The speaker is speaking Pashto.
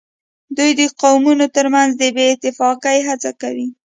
دوی د قومونو ترمنځ د بې اتفاقۍ هڅه کوي